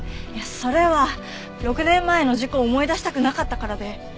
いやそれは６年前の事故を思い出したくなかったからで。